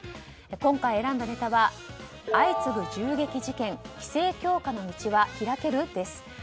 今回選んだネタは相次ぐ銃撃事件規制強化の道は開ける？です。